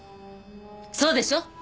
そうでしょ！